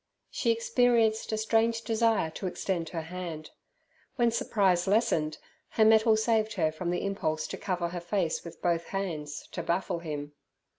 She experienced a strange desire to extend her hand. When surprise lessened, her mettle saved her from the impulse to cover her face with both hands, to baffle him.